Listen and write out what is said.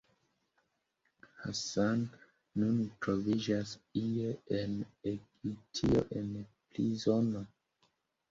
Hassan nun troviĝas ie en Egiptio, en prizono.